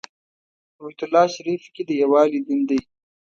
په بیت الله شریف کې د یووالي دین دی.